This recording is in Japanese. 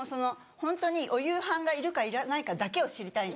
ホントにお夕飯がいるかいらないかだけを知りたいんです。